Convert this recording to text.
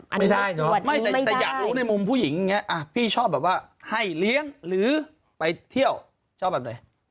ไม่ได้เนอะไม่แต่อยากรู้ในมุมผู้หญิงอย่างนี้พี่ชอบแบบว่าให้เลี้ยงหรือไปเที่ยวชอบแบบไหน